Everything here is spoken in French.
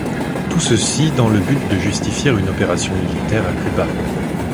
Tout ceci dans le but de justifier une opération militaire à Cuba.